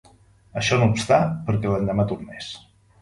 Això no obstà perquè l'endemà tornés.